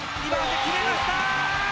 決めました！